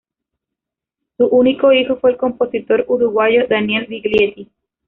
Su único hijo fue el compositor uruguayo Daniel Viglietti.